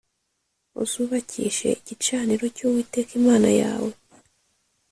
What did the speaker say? Uzubakishe igicaniro cy uwiteka imana yawe